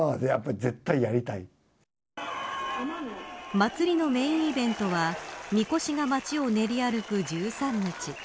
祭りのメーンイベントはみこしが街を練り歩く１３日。